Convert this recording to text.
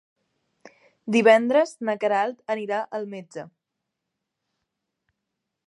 Divendres na Queralt anirà al metge.